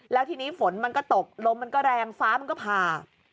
แล้วทีนี้ฝนมันก็ตกลมมันก็แรงฟ้ามันก็ผ่า